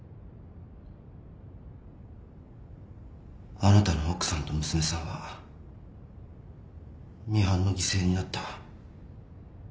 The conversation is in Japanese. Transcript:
あなたの奥さんと娘さんはミハンの犠牲になった。